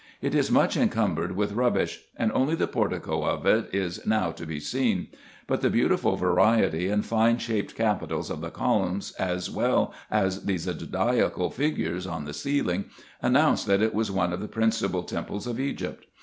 It is much encumbered with rubbish, and only the portico of it is now to be seen ; but the beautiful variety and fine shaped capitals of the columns, as well as the zodiacal figures on the ceiling, announce that it was one of the principal temples of Egypt.